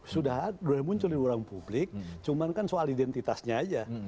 sudah muncul di ruang publik cuman kan soal identitasnya aja